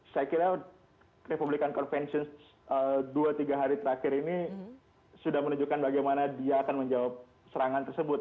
saya kira republikan convention dua tiga hari terakhir ini sudah menunjukkan bagaimana dia akan menjawab serangan tersebut